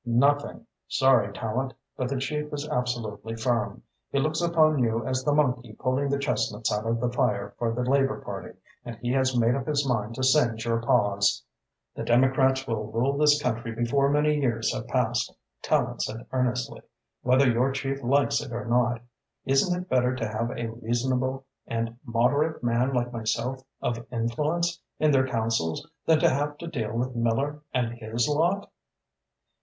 "Nothing! Sorry, Tallente, but the chief is absolutely firm. He looks upon you as the monkey pulling the chestnuts out of the fire for the Labour Party and he has made up his mind to singe your paws." "The Democrats will rule this country before many years have passed," Tallente said earnestly, "whether your chief likes it or not. Isn't it better to have a reasonable and moderate man like myself of influence in their councils than to have to deal with Miller and his lot?"